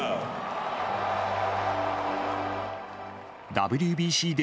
ＷＢＣで、